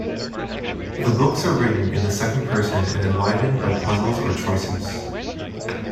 The books are written in the second person and enlivened by puzzles or choices.